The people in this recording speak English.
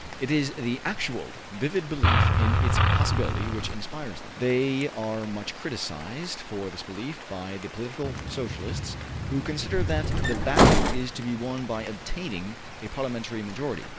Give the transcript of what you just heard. It is the actual, vivid belief in its possibility which inspires them. They are much criticised for this belief by the political Socialists who consider that the battle is to be won by obtaining a Parliamentary majority.